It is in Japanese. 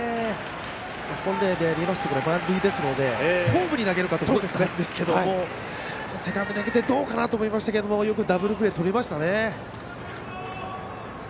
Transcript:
満塁ですのでホームに投げるかと思ったんですけどもセカンドに投げてどうかなと思いましたけどよくダブルプレーとりましたね。